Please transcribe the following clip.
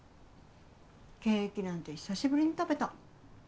ケーキなんて久しぶりに食べた。